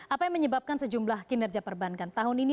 apa yang menyebabkan sejumlah kinerja perbankan tahun ini